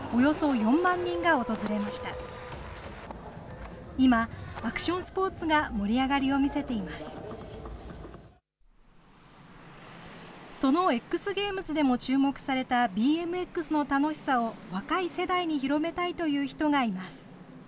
そのＸゲームズでも注目されたＢＭＸの楽しさを若い世代に広めたいという人がいます。